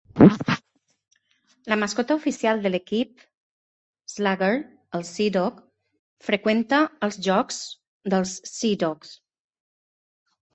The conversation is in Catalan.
La mascota oficial de l'equip, Slugger el Sea Dog, freqüenta els jocs dels Sea Dogs.